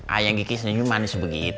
ayang kiki senyum manis begitu